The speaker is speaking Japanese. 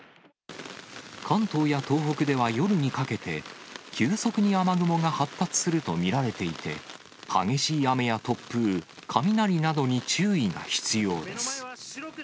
関東や東北では夜にかけて、急速に雨雲が発達すると見られていて、激しい雨や突風、雷などに注意が必要です。